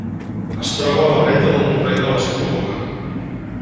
Es troba a la dreta del torrent de l'Espluga.